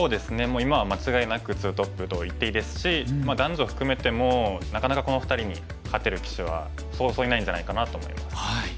もう今は間違いなくツートップと言っていいですし男女含めてもなかなかこの２人に勝てる棋士はそうそういないんじゃないかなと思います。